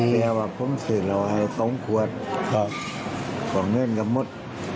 เพราะผมสินเอาให้๒ขวดของเนื่องกับหมด